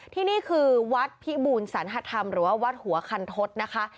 ทีนี้คือวัดพิบูรสรรภัยธรรมหรือว่าวัดหัวคัณฑฎนะคะ